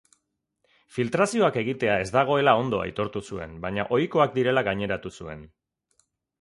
Filtrazioak egitea ez dagoela ondo aitortu zuen, baina ohikoak direla gaineratu zuen.